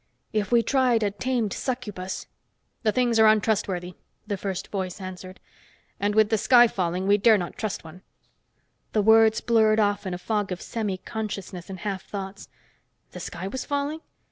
If we tried a tamed succubus " "The things are untrustworthy," the first voice answered. "And with the sky falling, we dare not trust one." The words blurred off in a fog of semiconsciousness and half thoughts. The sky was falling?